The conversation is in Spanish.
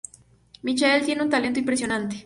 Michael tiene un talento impresionante.